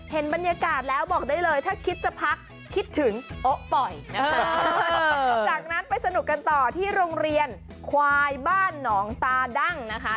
เห็นบรรยากาศแล้วบอกได้เลยถ้าคิดจะพักคิดถึงโอ๊ะปล่อยนะคะจากนั้นไปสนุกกันต่อที่โรงเรียนควายบ้านหนองตาดั้งนะคะ